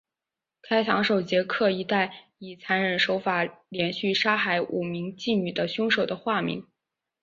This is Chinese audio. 开膛手杰克一带以残忍手法连续杀害五名妓女的凶手的化名。